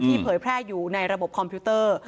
เผยแพร่อยู่ในระบบคอมพิวเตอร์